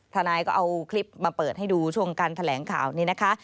ทนายก็เอาคลิปมาเปิดให้ดูช่วงการแถลงข่าวนี้นะคะ